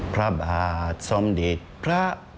พระบาทสมเด็จพระ